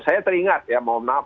saya teringat ya mohon maaf